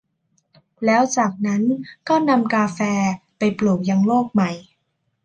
แล้วจากนั้นก็นำกาแฟไปปลูกยังโลกใหม่